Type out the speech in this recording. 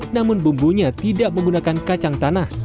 namun bumbunya tidak menggunakan kacang tanah